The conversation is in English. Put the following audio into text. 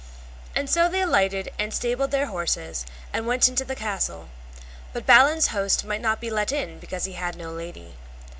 And so they alighted and stabled their horses, and went into the castle; but Balin's host might not be let in because he had no lady.